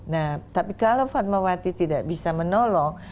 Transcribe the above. nah tapi kalau fatmawati tidak bisa menolong